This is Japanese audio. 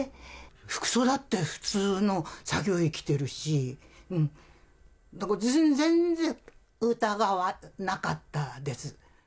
服装だって普通の作業着着てるし、全然疑わなかったです。